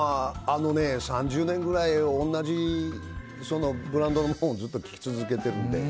３０年ぐらい同じブランドのものをずっと着続けてるので。